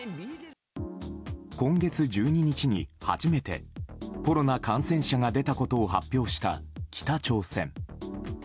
今月１２日に初めてコロナ感染者が出たことを発表した北朝鮮。